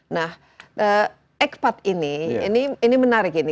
nah ekpat ini ini menarik ini